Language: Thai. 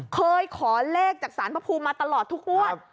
เคยขอเลขจากสารพระภูมิมาตลอดทุกงวด